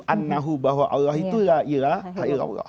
an nahu bahwa allah itu la ilah la ilah allah